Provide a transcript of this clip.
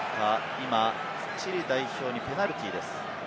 今はチリ代表にペナルティーです。